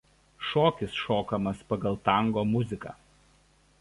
Šokis šokamas pagal tango muziką.